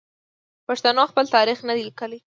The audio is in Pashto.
پښتنو خپل تاریخ نه دی لیکلی.